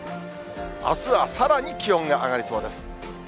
あすはさらに気温が上がりそうです。